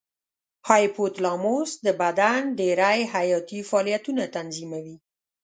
هایپو تلاموس د بدن ډېری حیاتي فعالیتونه تنظیموي.